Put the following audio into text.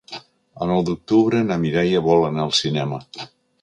El nou d'octubre na Mireia vol anar al cinema.